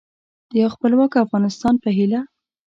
د یو خپلواک افغانستان په هیله